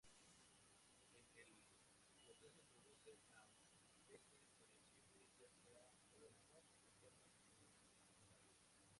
En el proceso introducen a veces variaciones, ya sea o no de forma intencionada.